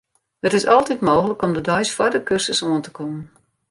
It is altyd mooglik om de deis foar de kursus oan te kommen.